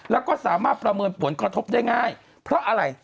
แล้วก็สามารถประเมินผลกระทบได้ง่ายเพราะอะไร